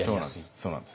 そうなんです。